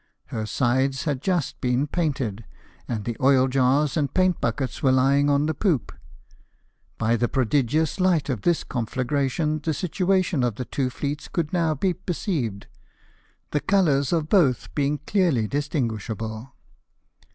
Her sides had just been painted, and the oil jars and paint buckets were lying on the poop. By the prodigious light of this confla gration the situation of the two fleets could now be perceived, the colours of both being clearly distin BATTLE OF THE NILE. 145 guishable.